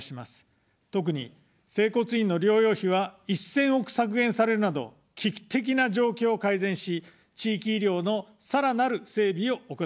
特に整骨院の療養費は、１０００億削減されるなど危機的な状況を改善し、地域医療のさらなる整備を行います。